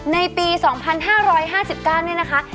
ในปี๒๕๕๙เนี่ยนะคะ